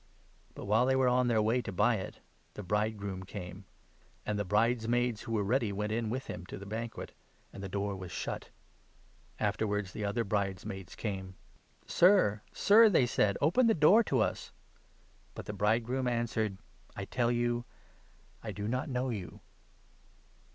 But 10 while they were on their way to buy it, the bridegroom came ; and the bridesmaids who were ready went in with him to the banquet, and the door was shut. Afterwards the other brides 1 1 maids came. 'Sir, Sir,' they said, 'open the door to us!' But the bridegroom answered 'I tell you, I do not know 12 you.'